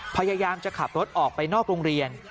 พยายามจะขับรถออกไปนอกโรงเรียน